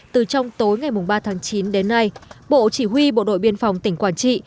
từ trong tối ngày ba tháng chín đến nay bộ chỉ huy bộ đội biên phòng tỉnh quảng trị